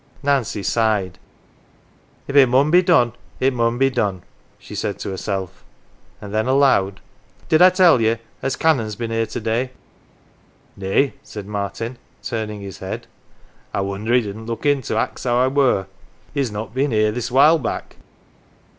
Nancy sighed. "If it mun be done, it mun be done," she said to herself ; and then aloud :" Did I tell ye as Canon's been here to day ?" "Nay," said Martin, turning his head. "I wonder he didn't look in to ax how I were. He has not been here this while back."